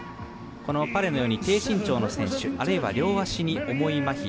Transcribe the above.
このパレのように低身長の選手あるいは両足に重いまひ